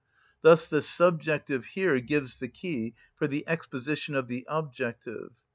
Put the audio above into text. Thus the subjective here gives the key for the exposition of the objective.